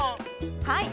はい。